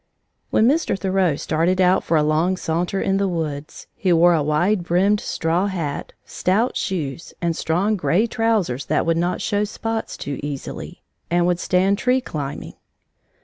When Mr. Thoreau started out for a long saunter in the woods, he wore a wide brimmed straw hat, stout shoes, and strong gray trousers that would not show spots too easily, and would stand tree climbing.